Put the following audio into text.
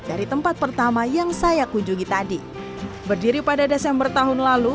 dari tempat pertama yang saya kunjungi tadi berdiri pada desember tahun lalu